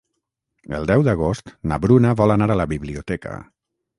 El deu d'agost na Bruna vol anar a la biblioteca.